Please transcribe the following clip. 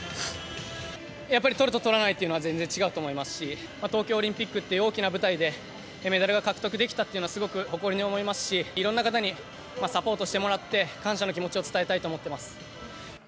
やっぱりとるととらないというのは全然違うと思いますし、東京オリンピックっていう大きな舞台で、メダルが獲得できたというのはすごく誇りに思いますし、いろんな方にサポートしてもらって、感謝の気持ちを伝えたいと思っています。